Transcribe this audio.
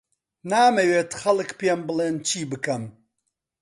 نامەوێت خەڵک پێم بڵێن چی بکەم.